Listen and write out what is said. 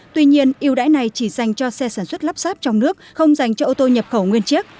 tuy nhiên yêu đáy này chỉ dành cho xe sản xuất lắp sáp trong nước không dành cho ô tô nhập khẩu nguyên chiếc